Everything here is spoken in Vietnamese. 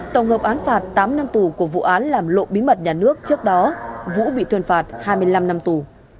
tổng hợp án phạt tám năm tù của vụ án làm lộ bí mật nhà nước trước đó vũ bị tuyên phạt hai mươi năm năm tù